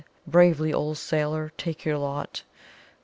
"'Bravely, ole sailor, take your lot!'